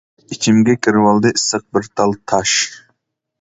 ئىچىمگە كىرىۋالدى ئىسسىق بىر تال تاش!